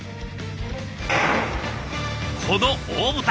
この大舞台